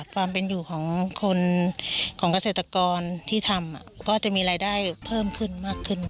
ความเป็นอยู่ของคนของเกษตรกรที่ทำก็จะมีรายได้เพิ่มขึ้นมากขึ้น